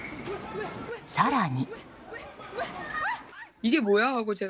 更に。